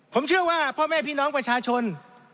ผมเชื่อว่าพ่อแม่พี่น้องประชาชน